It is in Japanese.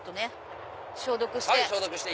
消毒して。